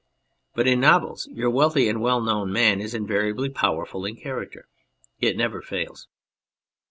But in novels your wealthy and well known man is invariably powerful in character. It never fails.